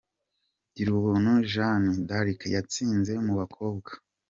Girubuntu Jeanne d’Arc yatsinze mu bakobwa .